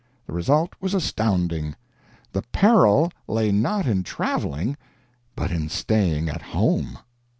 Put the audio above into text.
The result was astounding. THE PERIL LAY NOT IN TRAVELING, BUT IN STAYING AT HOME.